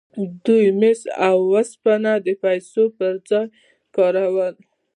دوی مس او اوسپنه د پیسو پر ځای کارول.